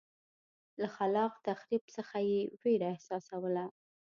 له خلاق تخریب څخه یې وېره احساسوله.